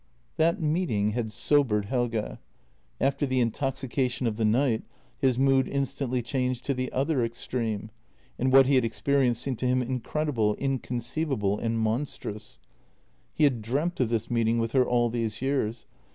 That meeting had sobered Helge. After the intoxication of the night his mood instantly changed to the other extreme, and what he had experienced seemed to him incredible, inconceiv able, and monstrous. He had dreamt of this meeting with her all these years.